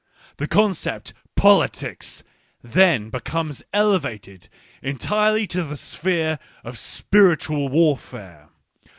The concept " politics " then becomes elevated entirely to the sphere of spiritual warfare.